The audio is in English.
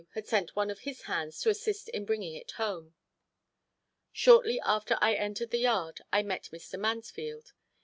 had sent one of his hands to assist in bringing it home. Shortly after I entered the yard I met Mr. Mansfield.